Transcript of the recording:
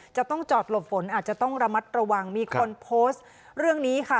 จะต้องจอดหลบฝนอาจจะต้องระมัดระวังมีคนโพสต์เรื่องนี้ค่ะ